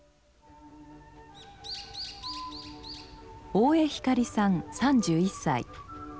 大江光さん３１歳。